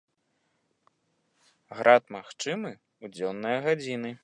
Град магчымы ў дзённыя гадзіны.